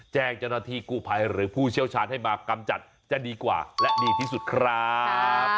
แจ้งเจ้าหน้าที่กู้ภัยหรือผู้เชี่ยวชาญให้มากำจัดจะดีกว่าและดีที่สุดครับ